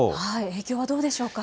影響はどうでしょうか。